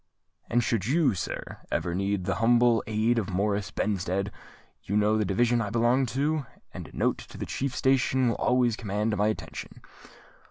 "And should you, sir, ever need the humble aid of Morris Benstead, you know the Division I belong to, and a note to the chief station will always command my attention."